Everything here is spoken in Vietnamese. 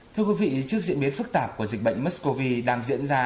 thưa quý vị trước diễn biến phức tạp của dịch bệnh mexcov đang diễn ra